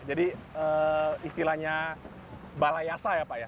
jadi istilahnya balai yasa ya pak ya